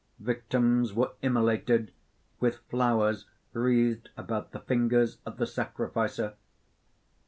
"Victims were immolated with flowers wreathed about the fingers of the sacrificer.